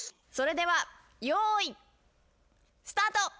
それではよいスタート！